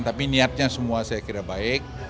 tapi niatnya semua saya kira baik